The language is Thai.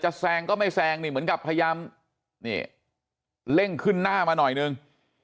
แซงก็ไม่แซงนี่เหมือนกับพยายามนี่เร่งขึ้นหน้ามาหน่อยนึง